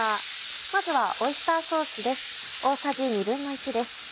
まずはオイスターソースです。